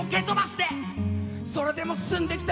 それでも進んできた